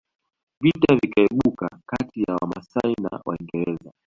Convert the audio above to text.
Vita vikaibuka kati ya Wamasai na Waingereza